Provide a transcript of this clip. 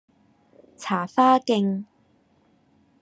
茶花徑